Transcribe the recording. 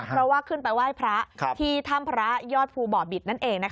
เพราะว่าขึ้นไปไหว้พระที่ถ้ำพระยอดภูบ่อบิตนั่นเอง